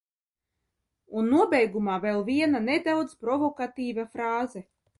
Un nobeigumā vēl viena nedaudz provokatīva frāze.